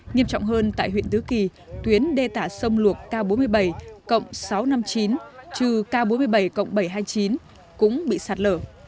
nghiêm trọng hơn tại huyện tứ kỳ tuyến đê tả sông luộc k bốn mươi bảy cộng sáu trăm năm mươi chín trừ k bốn mươi bảy bảy trăm hai mươi chín cũng bị sạt lở